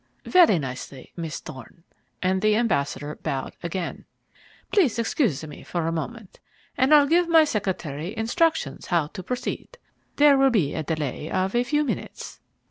"Very nicely, Miss Thorne," and the ambassador bowed again. "Please excuse me a moment, and I'll give my secretary instructions how to proceed. There will be a delay of a few minutes."